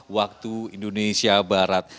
waktu indonesia barat